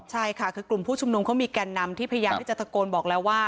ใช่ค่ะคือกลุ่มผู้ชุมนุมเขามีแก่นนำที่พยายามที่จะตะโกนบอกแล้วว่า